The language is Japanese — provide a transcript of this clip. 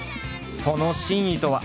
その真意とは？